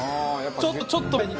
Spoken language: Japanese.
ちょっとちょっと前に。